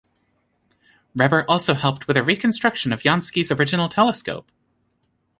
Reber also helped with a reconstruction of Jansky's original telescope.